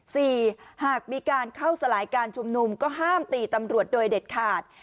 หากมีการเข้าสลายการชุมนุมก็ห้ามตีตำรวจโดยเด็ดขาด